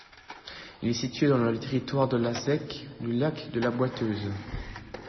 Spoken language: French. Il est situé dans le territoire de la zec du Lac-de-la-Boiteuse.